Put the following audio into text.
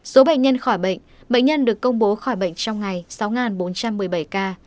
số bệnh nhân khỏi bệnh bệnh nhân được công bố khỏi bệnh trong ngày sáu bốn trăm một mươi bảy ca